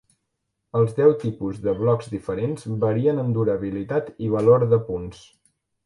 Els deu tipus de blocs diferents varien en durabilitat i valor de punts.